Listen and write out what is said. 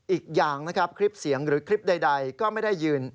อีกอย่างนะครับคลิปเสียงหรือคลิปใดก็ไม่ได้ยืน